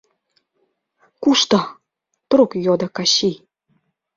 — Кушто? — трук йодо Качий.